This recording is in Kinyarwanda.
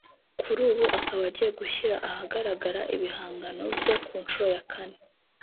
kuri ubu akaba agiye gushyira ahagaragara ibihangano bye ku nshuro ya kane